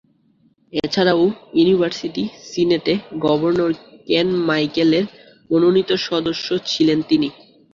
এছাড়াও, ইউনিভার্সিটি সিনেটে governor Ken মাইকেলের মনোনীত সদস্য ছিলেন তিনি।